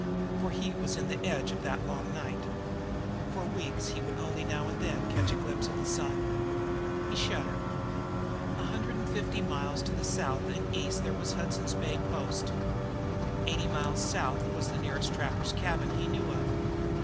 For he was in the edge of that Long Night. For weeks he would only now and then catch a glimpse of the sun. He shuddered. A hundred and fifty miles to the south and east there was a Hudson's Bay post. Eighty miles south was the nearest trapper's cabin he knew of.